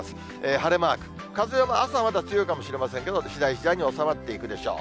晴れマーク、風は、朝まだ強いかもしれませんけど、しだい、次第に収まっていくでしょう。